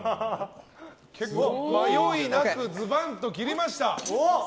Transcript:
迷いなく、ずばんと切りました。